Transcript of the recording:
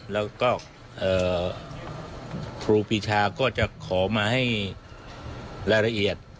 แล้วก็ครูปีชาก็จะขอมาให้รายละเอียด